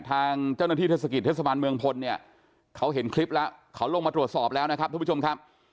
ทางเจ้าหน้าที่เทศกิจเทศบาลเมืองพลเนี่ยเขาเห็นคลิปแล้วเขาลงมาตรวจสอบแล้วนะครับทุกผู้ชมครับ